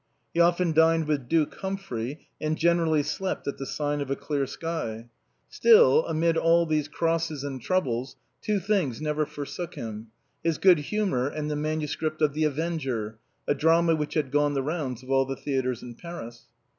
He often dined with Duke Humphrey, and generally slept at the sign of the clear sky. Still, amid all these crosses and troubles, two things never forsook him : his good humor and the manuscript of " The Avenger," a drama which had gone the rounds of all the theatres in Paris.